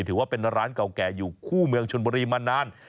ถือว่าเป็นร้านเก่าแก่อยู่คู่เมืองชนบุรีมานาน